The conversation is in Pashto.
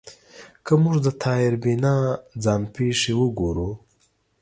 که موږ د طاهر بینا ځان پېښې وګورو